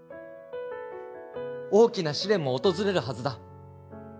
大きな試練も訪れるはずだ